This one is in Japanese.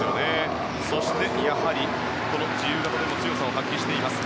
そしてやはりこの自由形でも強さを発揮しています